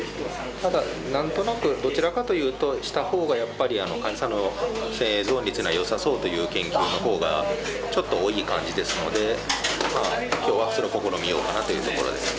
ただなんとなくどちらかというとしたほうがやっぱり患者さんの生存率にはよさそうという研究のほうがちょっと多い感じですので今日はそれを試みようかなというところですね。